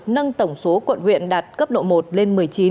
nâng tổng số quận huyện đạt cấp độ một lên một mươi chín